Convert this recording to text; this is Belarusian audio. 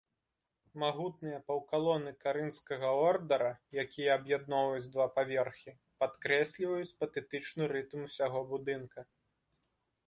Магутныя паўкалоны карынфскага ордара, якія аб'ядноўваюць два паверхі, падкрэсліваюць патэтычны рытм усяго будынка.